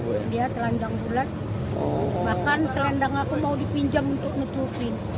dia telendang bulat bahkan telendang aku mau dipinjam untuk menutupin